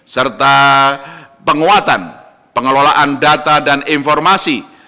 serta penguatan pengelolaan data dan informasi